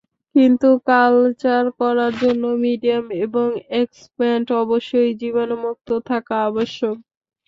কিন্তু কালচার করার জন্য মিডিয়াম এবং এক্সপ্লান্ট অবশ্যই জীবাণুমুক্ত থাকা আবশ্যক।